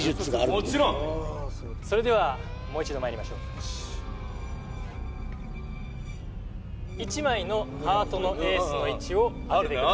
もちろんそれではもう一度まいりましょう１枚のハートのエースの位置を当ててください